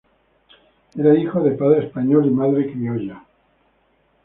Era hijo de padre español y madre criolla.